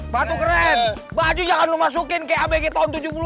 batu keren baju jangan lu masukin kaya abg tahun tujuh puluh an lu